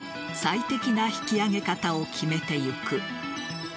その上で最適な引き揚げ方を決めていく。